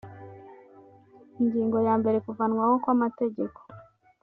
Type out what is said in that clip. ingingo ya mbere kuvanwaho kwamategeko